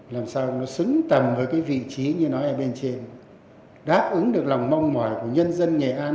làm sao nó xứng tầm với cái vị trí như nói ở bên trên đáp ứng được lòng mong mỏi của nhân dân nghệ an